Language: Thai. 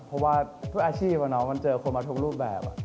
เพราะว่าทุกอาชีพมันเจอคนมาทุกรูปแบบ